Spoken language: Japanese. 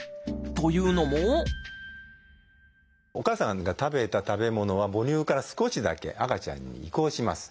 というのもお母さんが食べた食べ物は母乳から少しだけ赤ちゃんに移行します。